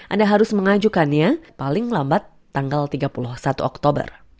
anda harus mengajukannya paling lambat tanggal tiga puluh satu oktober